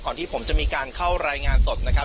ที่ผมจะมีการเข้ารายงานสดนะครับ